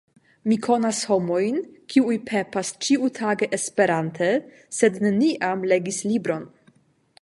Mi konas homojn, kiuj pepas ĉiutage esperante sed neniam legis libron.